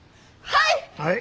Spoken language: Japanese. はい！